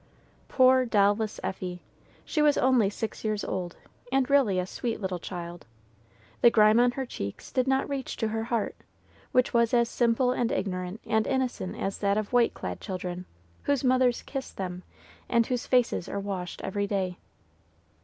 Poor doll less Effie! She was only six years old, and really a sweet little child. The grime on her cheeks did not reach to her heart, which was as simple and ignorant and innocent as that of white clad children, whose mothers kiss them, and whose faces are washed every day.